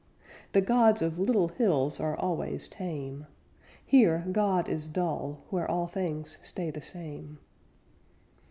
The gods of little hills are always tame; Here God is dull, where all things stay the same.